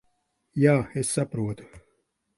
Jā, es saprotu.